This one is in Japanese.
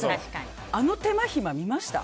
あの手間ひま、見ました？